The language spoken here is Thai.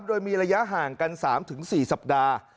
โดยมีระยะห่างกัน๓๔สัปดาห์